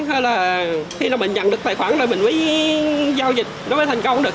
hay là khi mà mình nhận được tài khoản là mình mới giao dịch nó mới thành công được